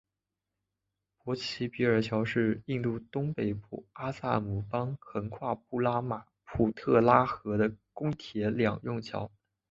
博济比尔桥是印度东北部阿萨姆邦横跨布拉马普特拉河的公铁两用桥。